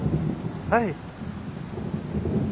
はい。